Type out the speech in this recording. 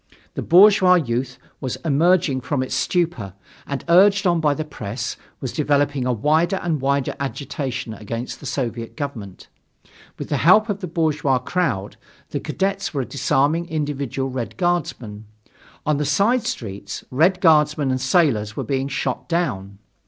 The bourgeois youth was emerging from its stupor and, urged on by the press, was developing a wider and wider agitation against the Soviet government. With the help of the bourgeois crowd, the cadets were disarming individual Red Guardsmen. On the side streets Red Guardsmen and sailors were being shot down.